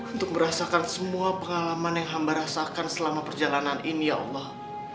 untuk merasakan semua pengalaman yang hamba rasakan selama perjalanan ini ya allah